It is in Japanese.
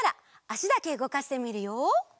あしだけうごかしてみるよ。